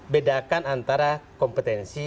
bedakan antara kompetensi